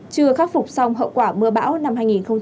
chưa khắc phục xong hậu quả mưa bão năm hai nghìn hai mươi